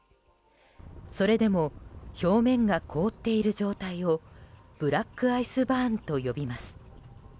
それでも表面が凍っている状態をブラックアイスバーンと呼びます。